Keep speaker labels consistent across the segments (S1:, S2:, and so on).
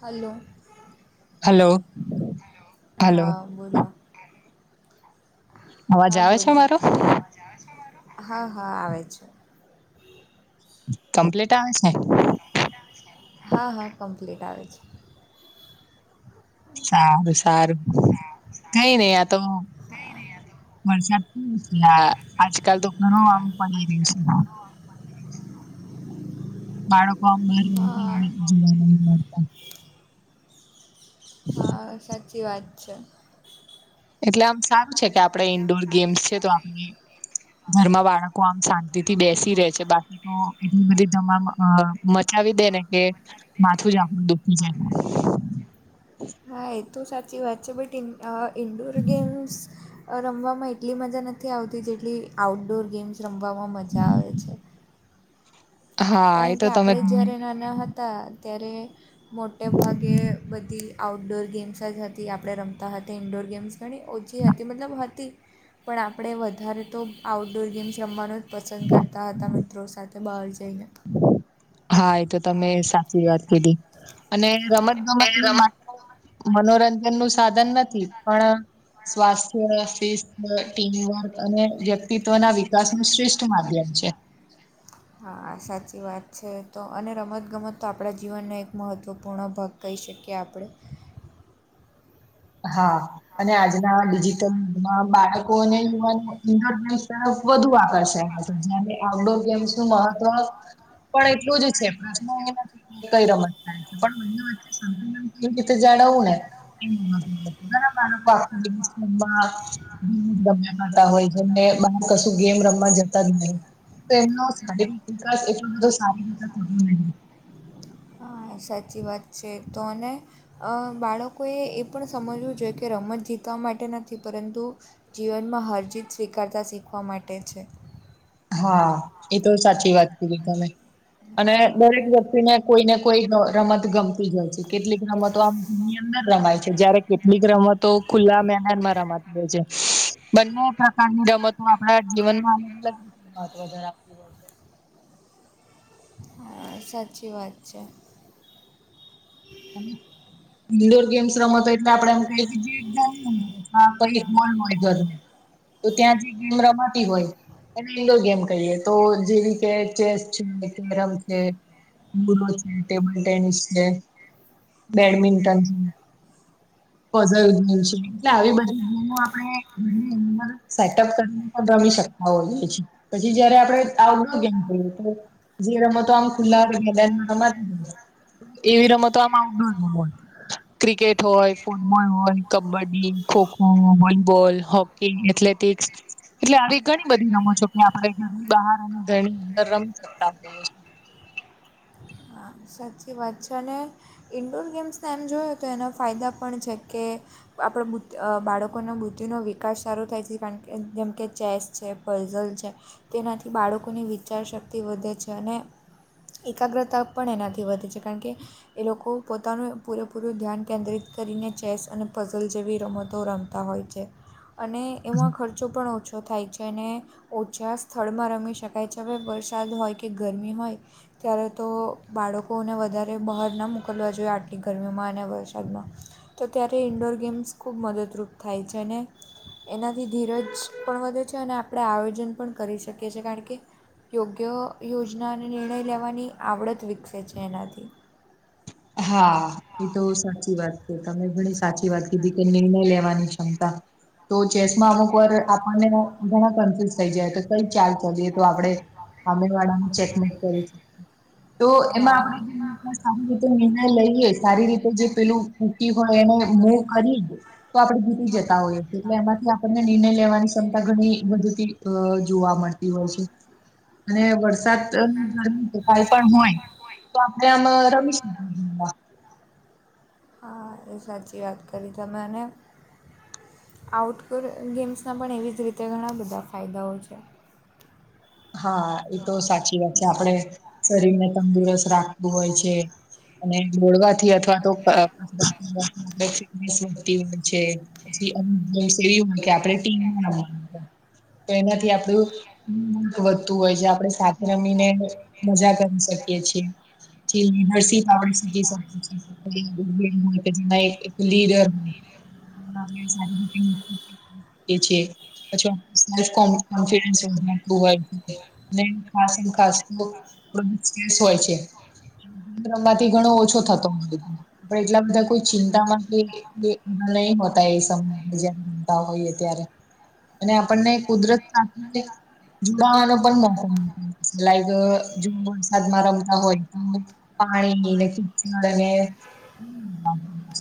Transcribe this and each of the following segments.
S1: Hello
S2: hello hello
S1: હા બોલો,
S2: અવાજ
S1: હા
S2: આવે છે
S1: બોલો,
S2: મારો
S1: અવાજ આવે છે મારો. હા હા આવે છે.
S2: કમ્પ્લીટ આવે છે?
S1: કમ્પ્લીટ આવે છે, હા હા કમ્પલિટ આવે છે.
S2: સારું સારું કઈ નહિ આ તો, વરસાદ [unintelligible] પેલા, આજકાલ તો ઘણું આમ પડી રહ્યું છે. બાળકો [inaudible]
S1: હા હા સાચી છે,
S2: એટલે આમ સારું છે, કે આપણે ઈન્ડોર ગેમ્સ છે, તો આપણે ઘરમાં બાળકો આમ શાંતિથી બેસી રહેે છે બાકી હા એવી બધી ધમાલ મચાવી દે ને કે, માથું જ આપણું દુઃખી જાય,
S1: હા એ તો સાચી વાત છે, બટ ઇ ઇન્ડોર ગેમ્સ રમવામાં એટલી મજા નથી આવતી જેટલી આઉટડોર ગેમ્સ રમવામાં મજા આવે છે.
S2: હા એ
S1: કારણ
S2: તો
S1: કે
S2: તમે
S1: આપણે
S2: ઘણી
S1: જ્યારે નાના હતા ત્યારે મોટે ભાગે બધી, આઉટડોર ગેમ્સ જ હતી આપણે રમતા હતા ઇન્ડોર ગેમ્સ ઘણી ઓછી હતી મતલબ હતી. પણ આપણે વધારે તો આઉટડોર ગેમ્સ જ રમવાનું જ પસંદ કરતા હતા, મિત્રો સાથે બહાર જઈને.
S2: હા, એ તો તમે સાચી વાત કીધી. અને રમત ગમતની મા- મનોરંજનનું સાધન નથી, પણ સ્વાસ્થ્ય, શિસ્થ, ટીમવર્ક, અને વ્યક્તિત્વના વિકાસનું શ્રેષ્ઠ માધ્યમ છે.
S1: હા સાચી વાત છે તો, અને રમતગમત તો આપણા જીવનનો એક મહત્વપૂર્ણ ભાગ કહી શકીએ આપણે
S2: હા અને આજના ડિજિટલ યુગમાં બાળકો અને યુવાનો [unintelligible] [unintelligible] વધુ આકર્ષે જ આઉટડોર ગેમ્સનું મહત્વ પણ એટલું જ છે, [unintelligible] કઈ રમત થાય છે પણ [unintelligible] [unintelligible] રમવાતા હોય જેમને કશું ગેમ રમવા જતા જ ન એ શારીરિક વિકાસ એટલો બધો સારો [inaudible]
S1: હા સાચી વાત છે એ તો અને અ બાળકોએ એ પણ સમજવું જોઈએ કે રમત જીતવા માટે નથી પરંતુ જીવનમાં હરજીત સ્વીકારતા શીખવા માટે છે.
S2: હા એ તો સાચી વાત કીધી તમે અને
S1: હા
S2: દરેક વ્યક્તિને કોઈ ને કોઈ રમત ગમતી હોય છે કેટલીક રમતો આમની અંદર રમાય છે, જયારે કેટલીક રમતો ખુલ્લા મેદાનમાં રમાય છે બંને પ્રકારની રમતો આપણા જીવનમાં અલગ અલગ રીતે મહત્વ વધુ આપવું હોય
S1: હા સાચી વાત છે.
S2: ઇન્ડોર ગેમ્સ રમતો એટલે આપડે [unintelligible] તો ત્યાંથી ગેમ રમાતી હોય એને ઇન્ડોર ગેમ કહીએ, તો જેમ કે ચેસ, કેરમ છે [inaudible] છે, ટેબલ ટેનિસ છે, બેડમિન્ટન પઝલ છે એટલે આવી બધી આપણે સેટઅપ કરીને પણ રમી શકીએ. [unintelligible] પછી જ્યારે આપણે આઉટડોર ગેમ તો જે રમતો આમ ખુલ્લા મેદાનમાં રમાતી એવી રમતો આવું ઘણું હોય. ક્રિકેટ હોય ફૂટબોલ હોય, kabaddi kho kho, volleyball hockey. Athletics એટલે આવી ઘણી બધી રમતો છે પણ આપણે ઘરની બહાર [unintelligible]
S1: હા સાચી વાત છે અને ઇન્ડોર ગેમ્સને એમ જોઈએ તો એના ફાયદા પણ છે કે આપણા બુદ્ધ અ બાળકોનો બૃદ્ધિનો વિકાસ સારો થાય છે કારણ કે જેમકે ચેસ છે ફઝલ છે તેનાથી બાળકોની વિચાર શક્તિ વધે છે અને એકાગ્રતા પણ એનાથી વધે છે કારણ કે એ લોકો પોતાનું પૂરે પૂરું ધ્યાન કેન્દ્રિત કરીને ચેસ અને ફઝલ જેવી રમતો રમે હોય છે અને એમાં ખર્ચો પણ ઓછો થાય છે અને [unintelligible] સ્થળમાં રમી શકાય છે હવે વરસાદ હોય કે ગરમી હોય ત્યારે તો બાળકોને વધારે બહાર ન મોકલવા જોઈએ આટલી ગરમીમાં અને વરસાદમાં તો ત્યારે ઇન્ડોર ગેમ્સ ખૂબ મદદરૂપ થાય છે અને એનાથી ધીરજ પણ વધે છે અને આપણે આયોજન પણ કરી શકીએ છીએ કારણ કે યોગ્ય યોજના અને નિર્ણય લેવાની આવડત વિકસે છે એનાથી
S2: હા. એ તો સાચી વાત કીધી તમે ઘણી સાચી વાત કીધી કે નિર્ણય લેવાની ક્ષમતા તો ચેસમાં અમુક વાર આપણને ઘણા કન્ફ્યુઝ થઈ જાય તો કઈ ચાલ ચલી તો આપણે હામે વાળાના ચેકમેટ [unintelligible] તો એમાં
S1: હા
S2: આપણે સારી રીતે નિર્ણય લઈએ સારી રીતે જે પેલું [unintelligible] હોય એને મોવ કરી તો આપણે ભૂલી જતા હોઈએ એટલે એમાંથી આપણને નિર્ણય લેવાની ક્ષમતા ઘણી [unintelligible] અ જોવા મળતી હોય છે. અને વરસાદ પણ હોય તો આપડે આમ રમીશું
S1: હા એ સાચી વાત કરી તમે અને આઉટડોર ગેમ્સના પણ એવી જ રીતે ઘણા બધા ફાયદાઓ છે.
S2: હા, એતો સાચી વાત છે. આપડે શરીરને તંદુરસ્ત રાખતું હોય છે. અને જોડવાથી અથવા તો [unintelligible] [unintelligible] હોય છે. પછી [unintelligible] આપડે ટીમમાં. તો એનાથી આપડું વધતું હોય છે. આપડે સાથે રમીને મજા કરી શકીએ છીએ. [unintelligible] [unintelligible] એ છે. પછી એમ [unintelligible] કોન્ફિડસ વધતું હોય. અને ખાસમખાસ [unintelligible] સ્ટ્રેસ હોય છે. [unintelligible] ઘણો ઓછો થતો હોય. પણ એટલા બધા કોઈ ચિંતા માંથી [unintelligible] એ નહીં હોતા એ સબ બીજા રમતા હોઈએ ત્યારે. અને આપણને કુદરત [unintelligible] [unintelligible] લાઈક અહ ઝૂમ વરસાદમાં રમતા હોય. પાણીની ને [unintelligible] અને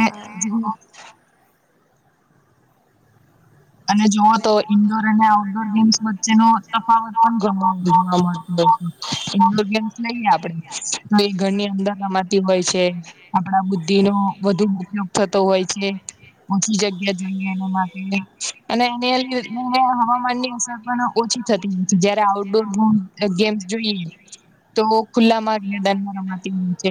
S1: હા
S2: અને જુઓ તો ઇન્ડોર અને આઉટડોર ગેમ્સ વચ્ચેનો તફાવત પણ [unintelligible] ઇન્ડોર ગેમ્સ લઈએ આપડે તો એ ઘરની અંદર રમાતી હોય છે. આપડા બુદ્ધિનો વધુ ઉપયોગ થતો હોય છે. ઓછી જગ્યા જોઈએ એના માટે. અને એની અંદર હવામાનની અસર પણ ઓછી થતી હોય છે. જયારે આઉટડોર ગ ગેમ્સ જોઈએ તો ખુલ્લામાં મેદાનમાં રમાતી હોય છે‌.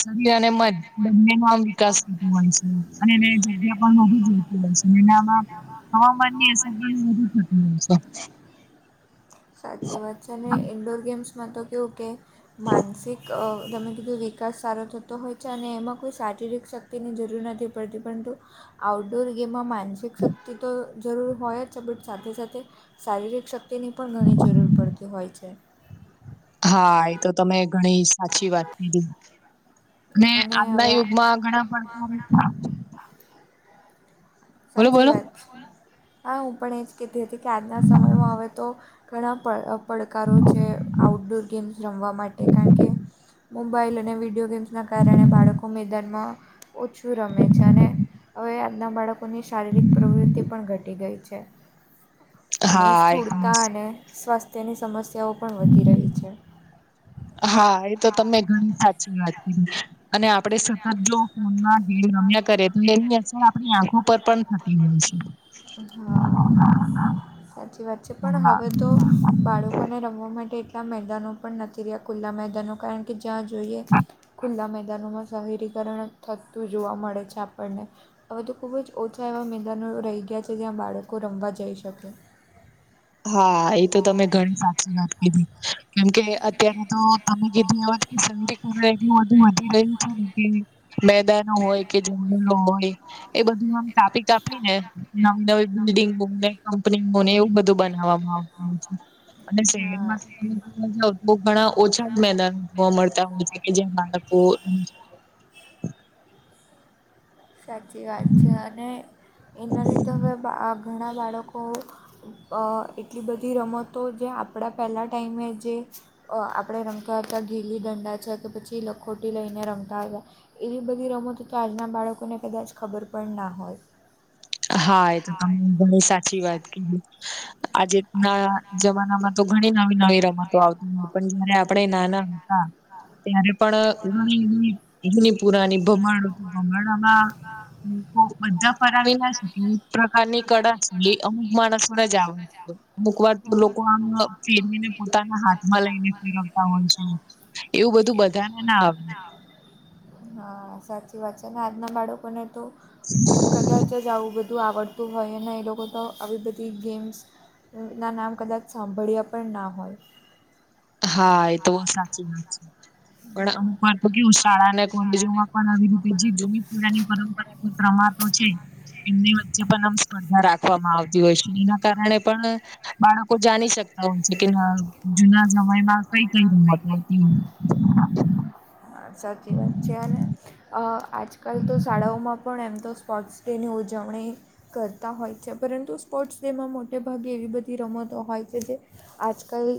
S2: શરીર અને મન બંનેમાં વિકાસ થતો હોય છે અને એને જગ્યા પણ વધુ જોયએ. મહીનામાં હવામાનની અસર પણ વધુ થતી હોય છે.
S1: સાચી વાત છે ને ઇન્ડોર ગેમ્સમાં તો કેવું કે માનસિક અહ તમે [unintelligible] વિકાસ સારો થતો હોય છે અને એમાં શારીરિક શક્તિની જરૂર નથી પડતી પરંતુ આઉટડોર ગેમોમાં [unintelligible] માનસિક શક્તિ તો જરૂરી હોય જ છે, બટ સાથે સાથે શારીરિક શક્તિની પણ ઘણી જ જરૂર પડતી હોય છે.
S2: હા, એતો તમે ઘણી સાચી વાત કીધી. અને આપડા
S1: હવે આ
S2: યુગમાં ઘણા પડકાર બોલો
S1: સાચી
S2: બોલો
S1: વાત છે. હા, હું પણ એજ કેહતી કે આજના સમયમાં હવે તો ઘણા પડ, પડકારો છે આઉટડોર ગેમ્સ રમવા માટે કારણકે મોબાાઈલ અને વિડીયો ગેમ્સના કારણે બાળકો મેદાનમાં ઓછું રમે છે અને હવે આજના બાળકોની શારીરિક પ્રવૃત્તિ પણ ઘટી ગઈ છે. અને
S2: હા એ
S1: સ્થૂળતા અને સ્વાસ્થ્યની સમસ્યાઓ પણ વધી રહી છે.
S2: હા, એતો તમે ઘણી સાચી વાત કીધી. અને આપડે સતત જો ફોનમાં ગેમ રમ્યા કરીએ તો એની અસર આપણી આંખો પર પણ થતી હોય છે.
S1: હા, સાચી વાત છે પણ
S2: હા
S1: હવે તો બાળકોને રમ વા માટે એટલા મેદાનો પણ નથી રહ્યા ખુલ્લા મેદાનો કારણકે જ્યાં જોઈએ ખુલ્લા મેદાન મેદાનોમાં શહેલીકરણ થતું જોવા મળે છે આપણને હવે તો ખૂબજ ઓછા એવાં મેદાનો રહી ગયા છે જ્યાં બાળકો રમવા જઈ શકે.
S2: હા, એતો તમે ઘણી સાચી વાત કીધી કેમકે અત્યારે તો તમે કીધું આ વત [unintelligible] એટલું બધું વધી ગયું છો ને કે મેદાનો હોય કે જંગલો હોય એ બધું આમ કાપી કાપ ની ને નવી નવી બિલ્ડિંગ કંપની બ એવું બધું બનાવવામાં આવતું હોય છે. અને
S1: હા
S2: શહેરમાં તો તમે જોવા જાવ તો ઘણા ઓછા મેદાન મળતા હોય કે જ્યાં બાળક ઓ
S1: સાચી વાત છે અને એના લીધે હવે આ ઘણા બાળકો અહ એટલી બધી રમતો જે આપડા પહેલાં ટાઈમે જે અહ આપડે હતા ઘીલી દંડા છે કે પછી લખોટી લઈને રમાતા હતા એવી બધી રમતો તો આજના બાળકોને કદાચ ખબર પણ ના હોય.
S2: હા એ તો તમે ઘણી સાચી વાત કીધી. આજે ના જમાના માં તો ઘણી નવી નવી રમતો આવતી હતી પણ જયારે આપડે નાના હતા ત્યારે પણ અહ ઘણી ની જૂની પુરાની ભમરડો તો ભરમર્ડામાં માં લોકો બધા ફરાવી નાજ એક પ્રકારની કડા અમુક માણસાને આવ અમુક વાર તો
S1: હા
S2: લોકો આમ ફેરવીને પોતાના હાથમાં લઈને ફેરવતા હોય છે. એવું બધું બધાને ના આવે.
S1: હા સાચી વાત છે ને આજના બાળકોને તો
S2: [inaudible]
S1: કદાચ જ આવું બધું આવડતું હોય અને એ લોકો તો આવી બધી ગેમ્સ ના નામ કદાચ સાંભળ્યા પણ ના હોય.
S2: હા એ તો સાચી વાત છે ઘણાં આમ
S1: હા
S2: પણ તો કેવું શાળા અને કોલેજોમાં પણ આવી રીતે જે જનીપુરાની પરંપરા રમાતો છે. એને વચ્ચે પણ આમ સ્પર્ધા રાખવામાં આવતી હોય છે એના કારણે પણ બાળકો જાણી શકતા હોય છે કે ના જુના સમયમાં કઈ કઈ રમતો હતી.
S1: હા સાચી વાત છે અને અહ આજ કાલ તો શાળાઓમાં પણ એમ તો સ્પોર્ટ્સ ડેની ઉજવણી કરતા હોય છે, પરંતુ સ્પોર્ટ્સ ડેમાં મોટેભાગે એવી બધી રમતો હોય છે કે જે આજકાલ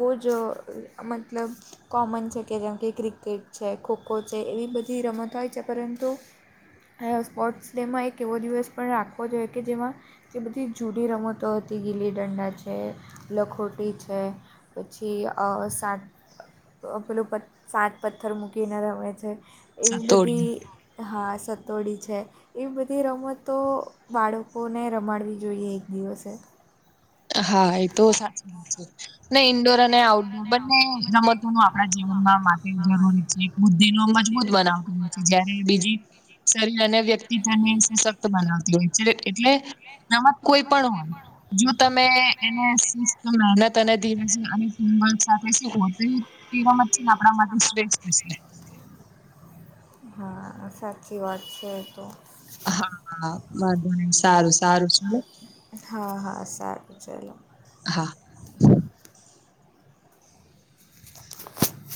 S1: બહુ જ અહ મતલબ કોમન છે કે જેમ કે ક્રિકે ક્કેટ છે, ખો-ખો છે, એવી બધી રમતો હોય છે, પરંતુ અહ સ્પોર્ટ્સ ડેમાં એક એવો દિવસ પણ રાખવો જોઈએ, જેમાં એ બધી જૂની રમતો હતી, ગીલી-દંડા છે, લખોટી છે પછી અહ સાત પેલું પ સાત પથ્થર મૂકીને રમે છે એવી
S2: સતોડી
S1: બધી, હા, સતોડિયું છે. એ બધી રમતો બાળકોને રમાડવી જોઈએ એક દિવસે.
S2: હા એ તો સાચી વાત ને. ઇન્ડોર અને આઉટડોર બંને રમત તો આપડા જીવનમાં બંને જરૂરી છે. ઇન્ડોર રમતો બુદ્ધિને મજબૂત બનાવતી હોય છે, જ્યારે બીજી શરીર અને વ્યક્તિત્વને સશક્ત બનાવતી હોય છે, એટલે રમત કોઈ પણ હોય, જો તમે એને શિસ્ત અને નિયમિતતા સાથે શિસ્ત સાથે તો રમત આપણા માટે શ્રેષ્ઠ છે.
S1: હા, સાચી વાત છે તો.
S2: હા, વાહ! સારું, સારું, ચલો.
S1: હા, હા, સારું. ચલો.
S2: હા.